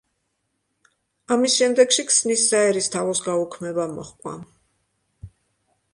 ამის შემდეგში ქსნის საერისთავოს გაუქმება მოჰყვა.